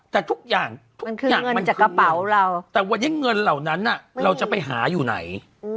แต่ทุกอย่างมันจากกระเป๋าเราแต่วันนี้เงินเหล่านั้นเราจะไปหาอยู่ไหน